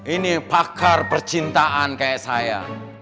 ini pakar percintaan kayak saya